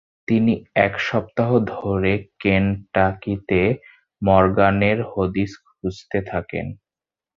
তিনি এক সপ্তাহ ধরে কেনটাকিতে মর্গ্যানের হদিস খুঁজতে থাকেন।